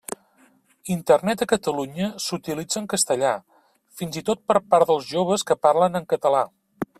Internet a Catalunya s'utilitza en castellà, fins i tot per part dels joves que parlen en català.